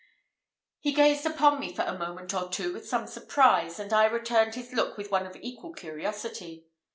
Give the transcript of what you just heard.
He gazed upon me for a moment or two with some surprise, and I returned his look with one of equal curiosity.